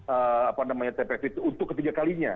apa namanya tpf itu untuk ketiga kalinya